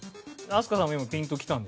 飛鳥さん。